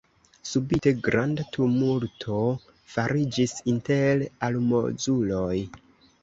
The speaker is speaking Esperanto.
Subite granda tumulto fariĝis inter almozuloj.